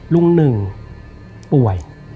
หนึ่งป่วย